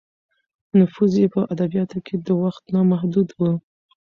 نفوذ یې په ادبیاتو کې د وخت نه محدود و.